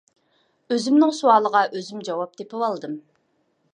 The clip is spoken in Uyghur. ئۆزۈمنىڭ سوئالىغا ئۆزۈم جاۋاب تېپىۋالدىم.